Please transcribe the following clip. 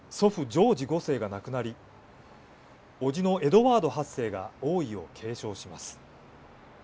ジョージ５世が亡くなり伯父のエドワード８世が王位を継承します。